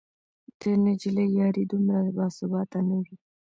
د نجلۍ یاري دومره باثباته نه وي